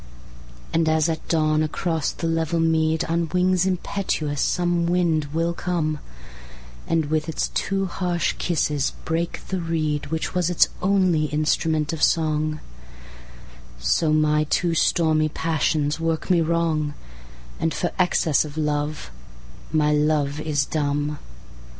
And as at dawn across the level meadOn wings impetuous some wind will come, And with its too harsh kisses break the reedWhich was its only instrument of song, So my too stormy passions work me wrong, And for excess of Love my Love is dumb.